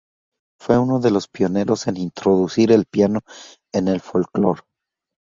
Fue uno de los pioneros en introducir el piano en el folclore.